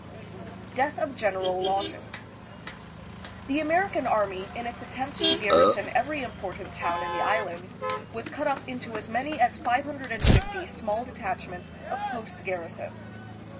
Death of General Lawton. The American army, in its/ attempt to garrison every important town in the Islands, was cut up into as many as 550 small detachments of post garrisons.